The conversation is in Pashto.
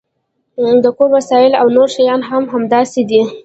د کور وسایل او نور شیان هم همداسې دي